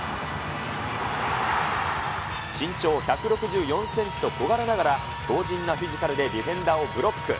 身長１６４センチと小柄ながら、強じんなフィジカルでディフェンダーをブロック。